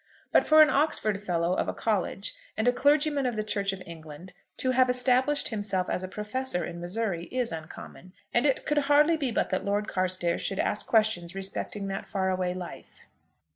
But for an Oxford Fellow of a college, and a clergyman of the Church of England, to have established himself as a professor in Missouri, is uncommon, and it could hardly be but that Lord Carstairs should ask questions respecting that far away life.